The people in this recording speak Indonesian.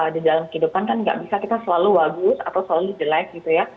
di dalam kehidupan kan gak bisa kita selalu bagus atau selalu jelek gitu ya